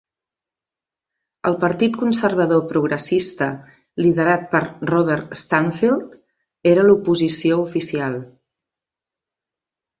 El Partit Conservador Progressista, liderat per Robert Stanfield, era l'oposició oficial.